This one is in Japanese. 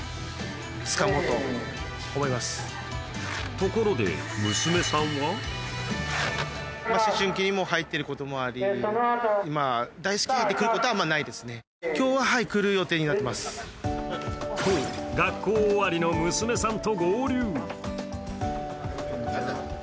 ところで娘さんは？と、学校終わりの娘さんと合流。